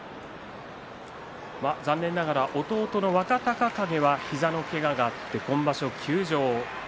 残念ながら弟の若隆景は膝のけががあって今場所、休場。